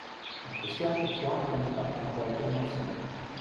In questi anni fu anche convocato una volta in Nazionale.